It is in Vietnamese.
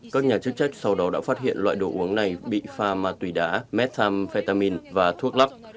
các nhà chức trách sau đó đã phát hiện loại đồ uống này bị pha mà tùy đá methamphetamine và thuốc lắp